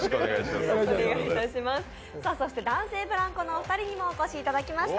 そして男性ブランコのお二人にもお越しいただきました。